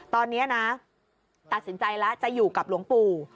ตอนนี้นะตัดสินใจแล้วจะอยู่กับหลวงปู่